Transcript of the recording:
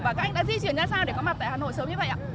và các anh đã di chuyển ra sao để có mặt tại hà nội sớm như vậy ạ